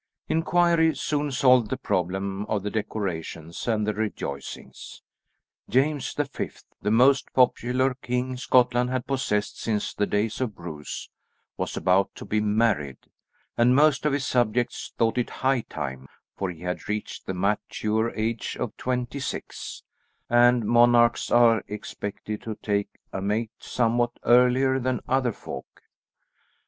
Inquiry soon solved the problem of the decorations and the rejoicings. James the Fifth, the most popular king Scotland had possessed since the days of Bruce, was about to be married, and most of his subjects thought it high time, for he had reached the mature age of twenty six, and monarchs are expected to take a mate somewhat earlier than other folk.